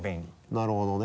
なるほどね。